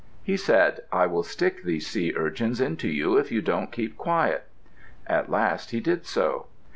He said, "I will stick these sea urchins into you if you don't keep quiet." At last he did so.